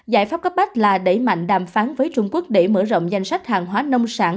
giải pháp cấp bách là đẩy mạnh đàm phán với trung quốc để mở rộng danh sách hàng hóa nông sản